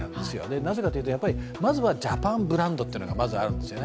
なぜかというと、まずはジャパンブランドというのがあるんですよね。